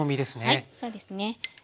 はいそうですね。